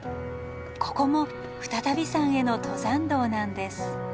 ここも再度山への登山道なんです。